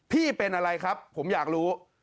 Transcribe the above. พี่เป็นอะไรครับผมอยากรู้